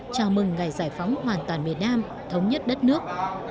chào mừng ngày giải phóng hoàn toàn miền nam thống nhất đất nước